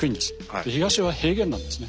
で東は平原なんですね。